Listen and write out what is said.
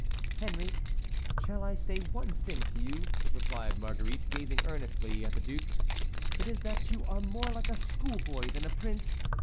"Henry, shall I say one thing to you?" replied Marguerite, gazing earnestly at the duke; "it is that you are more like a schoolboy than a prince.